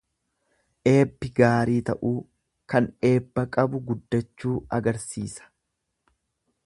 Eebbi gaarii ta'uu, kan eebba qabu guddachuu agarsiisa.